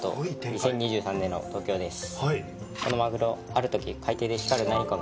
２０２３年の東京です・